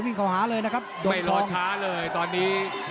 วิ่งเข้ามรอช้าเลยตอนนี้